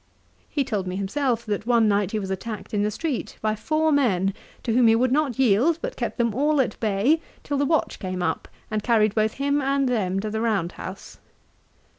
He told me himself that one night he was attacked in the street by four men, to whom he would not yield, but kept them all at bay, till the watch came up, and carried both him and them to the round house.